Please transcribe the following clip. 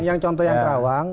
yang contoh yang kerawang